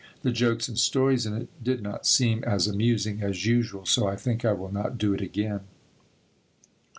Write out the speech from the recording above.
The jokes and stories in it did not seem as amusing as usual so I think I will not do it again.